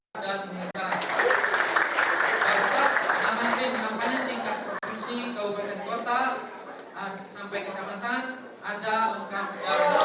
untuk pap paps nahan pim makanya tingkat profesi kabupaten kota sampai kecamatan ada ongkar dan mengumpulkan